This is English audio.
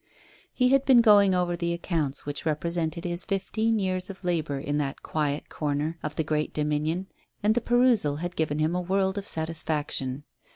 He had been going over the accounts which represented his fifteen years of labour in that quiet corner of the great Dominion, and the perusal had given him a world of satisfaction.